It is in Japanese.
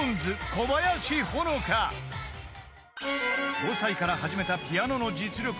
［５歳から始めたピアノの実力は］